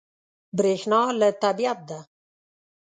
برېښنا له طبیعت ده.